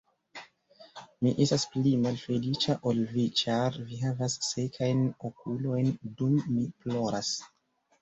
Mi estas pli malfeliĉa ol vi, ĉar vi havas sekajn okulojn, dum mi ploras.